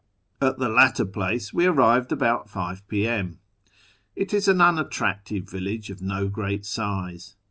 At the latter place we arrived about 5 p.m. It is an un attractive village of no great size.